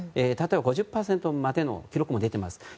例えば５０％までの記録も出ています。